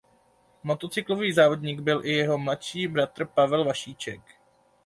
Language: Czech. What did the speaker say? Motocyklový závodník byl i jeho mladší bratr Pavel Vašíček.